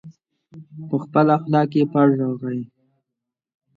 په خپله خوله کې پړ راغی.